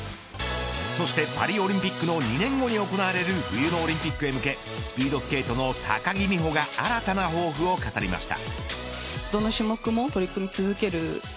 そして、パリオリンピックの２年後に行われる冬のオリンピックに向けスピードスケートの高木美帆が新たな抱負を語りました。